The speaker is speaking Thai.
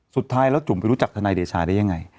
สุดท้ายแล้วจุ่มไปรู้จักทนายเดชาได้ยังไง